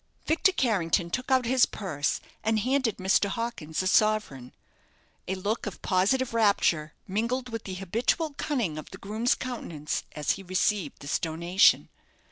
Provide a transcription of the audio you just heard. Victor Carrington took out his purse, and handed Mr. Hawkins a sovereign. A look of positive rapture mingled with the habitual cunning of the groom's countenance as he received this donation.